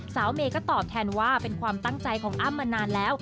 เมย์ก็ตอบแทนว่าเป็นความตั้งใจของอ้ำมานานแล้ว